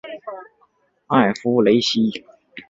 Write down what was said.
埃夫雷西。